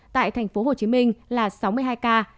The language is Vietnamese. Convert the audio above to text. tại tp hcm là sáu ca